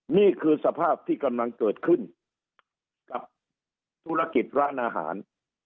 นี่คือสภาพที่กำลังเกิดขึ้นกับธุรกิจร้านอาหาร